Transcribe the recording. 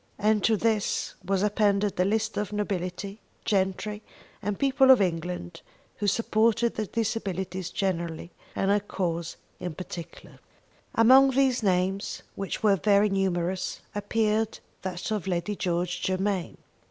And to this was appended a list of the nobility, gentry, and people of England who supported the Disabilities generally and her cause in particular. Among these names, which were very numerous, appeared that of Lady George Germain.